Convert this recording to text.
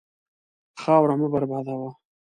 خاوره مه بربادوه.